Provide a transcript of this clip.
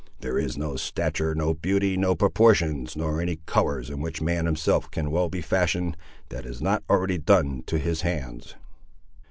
There is no stature, no beauty, no proportions, nor any colours in which man himself can well be fashioned, that is not already done to his hands."